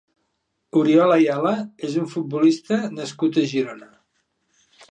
Oriol Ayala és un futbolista nascut a Girona.